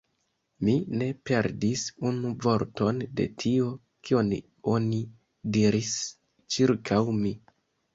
Mi ne perdis unu vorton de tio, kion oni diris ĉirkaŭ mi.